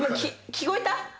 聞こえた？